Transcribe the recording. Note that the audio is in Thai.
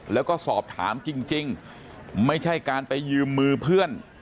แล้วก็สอบถามจริงไม่ใช่การไปยืมมือเพื่อน